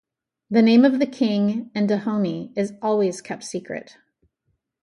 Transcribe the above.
The name of the king in Dahomey is always kept secret.